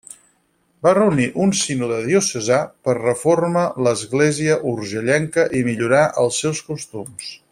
Va reunir un sínode diocesà per reforma l'església urgellenca i millorar els seus costums.